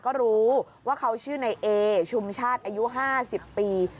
ก็รู้ว่าเขาชื่อในเอชุมชาติอายุ๕๐ปี